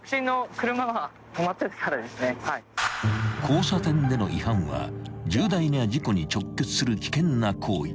［交差点での違反は重大な事故に直結する危険な行為］